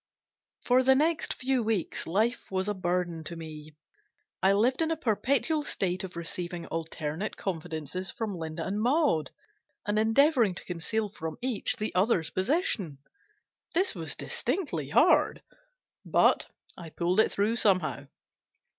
IV. FOR the next few weeks life was a burden to me. I lived in a perpetual state of receiving alternate confidences from Linda and Maud, and endeavouring to conceal from each the other's position. This was distinctly hard, but I pulled it through somehow.